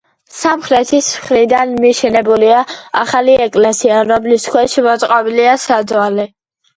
სამხრეთის მხრიდან მიშენებულია ახალი ეკლესია, რომლის ქვეშ მოწყობილია საძვალე.